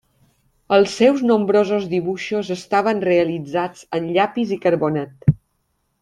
Els seus nombrosos dibuixos estaven realitzats en llapis i carbonet.